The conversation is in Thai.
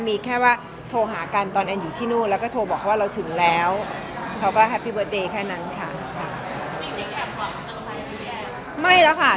มีแค่ว่าโทรหากันตอนแอนอยู่ที่นู่นแล้วก็โทรบอกเขาว่าเราถึงแล้วเขาก็แฮปปี้เบิร์ตเดย์แค่นั้นค่ะ